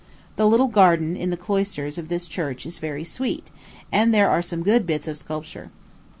The little garden in the cloisters of this church is very sweet, and there are some good bits of sculpture.